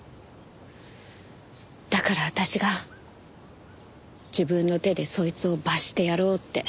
だから私が自分の手でそいつを罰してやろうって。